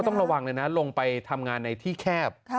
ต้องระวังเลยนะลงไปทำงานในที่แคบ